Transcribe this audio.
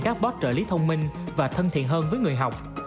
các bot trợ lý thông minh và thân thiện hơn với người học